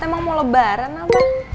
emang mau lebaran apa